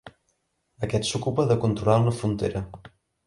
Aquest s'ocupa de controlar una frontera.